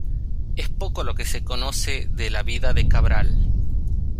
Es poco lo que se conoce de la vida de Cabral.